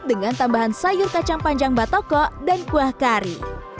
dengan tambahan sayur kacang panjang batoko dan kuah kari